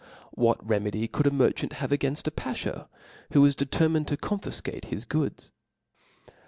What re medy could a merchant have againfl a bafhaw, who was determined 'to confifcate his goods